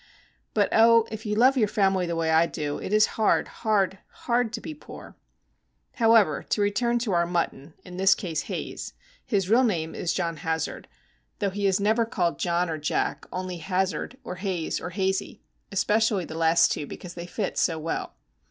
But, oh, if you love your family the way I do, it is hard, hard, hard to be poor! However, to return to our mutton,—in this instance Haze,—his real name is John Hazard, though he is never called John or Jack, only Hazard, or Haze, or Hazey, especially the last two, because they fit so well.